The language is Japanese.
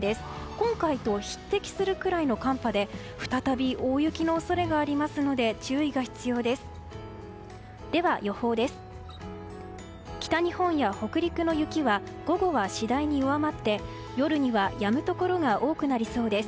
今回と匹敵するくらいの寒波で再び大雪の恐れがありますので注意が必要です。